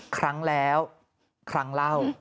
ครั้งแล้วครั้งเล่า